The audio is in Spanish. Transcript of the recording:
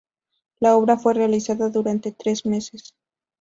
La obra fue realizada durante tres meses.